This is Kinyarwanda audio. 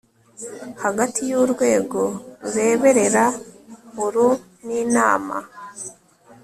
hagati y urwego rureberera ur n inama